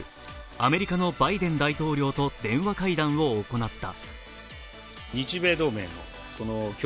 アメリカのバイデン大統領と電話会談を行った。